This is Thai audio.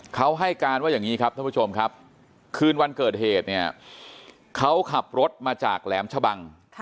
เขาให้การว่าอย่างนี้ครับท่านผู้ชมครับคืนวันเกิดเหตุเนี่ยเขาขับรถมาจากแหลมชะบัง